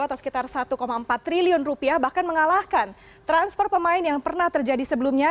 atau sekitar satu empat triliun rupiah bahkan mengalahkan transfer pemain yang pernah terjadi sebelumnya